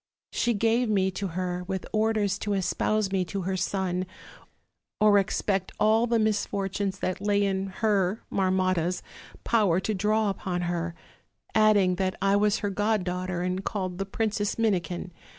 She gave me to her, with orders to es pouse me to her son, or expect all the misfortunes that lay in her, Marmotta's, power to draw upon her; adding that I was her god daughter and called the Princess Min ikin.